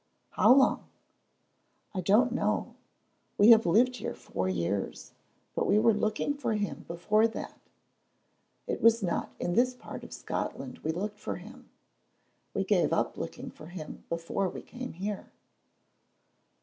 "How long?" "I don't know. We have lived here four years, but we were looking for him before that. It was not in this part of Scotland we looked for him. We gave up looking for him before we came here."